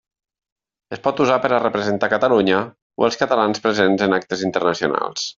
Es pot usar per a representar Catalunya, o els catalans presents en actes internacionals.